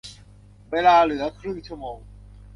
เวลาเหลือครึ่งชั่วโมง